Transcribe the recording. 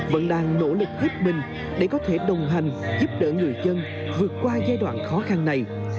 vẫn đang nỗ lực hết mình để có thể đồng hành giúp đỡ người dân vượt qua giai đoạn khó khăn này